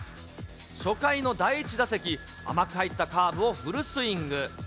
初回の第１打席、甘く入ったカーブをフルスイング。